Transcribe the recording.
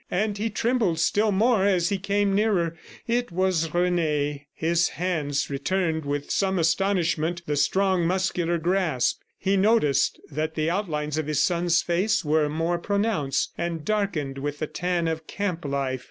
... And he trembled still more as he came nearer. ... It was Rene! His hands returned with some astonishment the strong, muscular grasp. He noticed that the outlines of his son's face were more pronounced, and darkened with the tan of camp life.